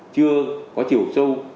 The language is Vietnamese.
chưa có chiều sâu